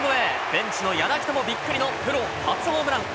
ベンチの柳田もびっくりのプロ初ホームラン。